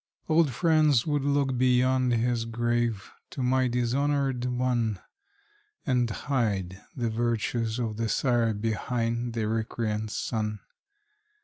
Old friends would look beyond his grave, to my dishonored one, And hide the virtues of the sire behind the recreant son.